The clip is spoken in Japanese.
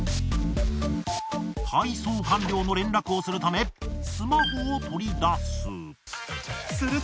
配送完了の連絡をするためスマホを取り出す。